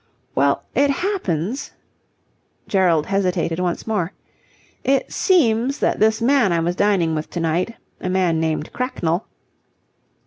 "Well, it happens..." Gerald hesitated once more. "It seems that this man I was dining with to night a man named Cracknell..."